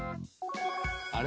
あれ？